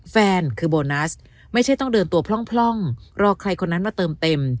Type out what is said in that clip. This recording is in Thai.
แฟนคือโบนัสไม่ใช่ต้องเดินตัวพร่องรอใครคนนั้นมาเติมเต็ม